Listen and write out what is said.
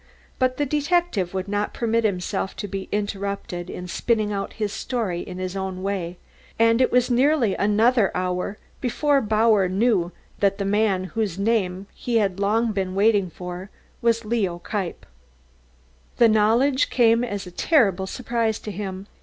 But the detective would not permit himself to be interrupted in spinning out his story in his own way, and it was nearly another hour before Bauer knew that the man for whose name he had been waiting so long was Leo Kniepp. The knowledge came as a terrible surprise to him.